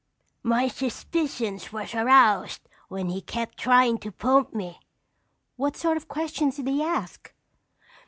"My suspicions was aroused when he kept trying' to pump me." "What sort of questions did he ask?"